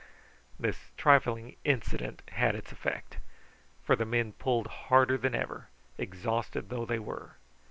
This trifling incident had its effect, for the men pulled harder than ever, exhausted though they were.